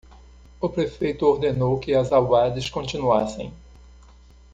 O prefeito ordenou que as albades continuassem.